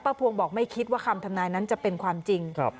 พวงบอกไม่คิดว่าคำทำนายนั้นจะเป็นความจริง